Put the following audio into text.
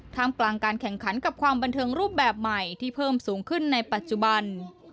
กลางการแข่งขันกับความบันเทิงรูปแบบใหม่ที่เพิ่มสูงขึ้นในปัจจุบัน